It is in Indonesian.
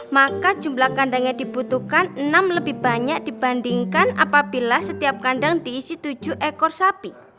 maka jumlah kandang yang dibutuhkan enam lebih banyak dibandingkan apabila setiap kandang diisi tujuh ekor sapi